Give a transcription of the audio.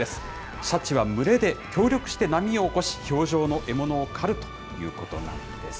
シャチは群れで協力して波を起こし、氷上の獲物を狩るということなんです。